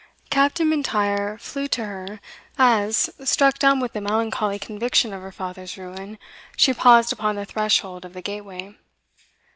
Captain M'Intyre flew to her, as, struck dumb with the melancholy conviction of her father's ruin, she paused upon the threshold of the gateway.